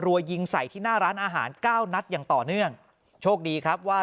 ยิงใส่ที่หน้าร้านอาหารเก้านัดอย่างต่อเนื่องโชคดีครับว่า